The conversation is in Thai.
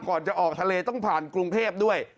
ก่อนจะออกทะเลต้องผ่านกรุงเทพด้วย